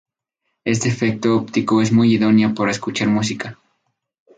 Este efecto óptico es muy idóneo para escuchar música.